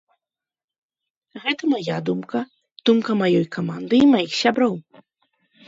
Гэта мая думка, думка маёй каманды і маіх сяброў.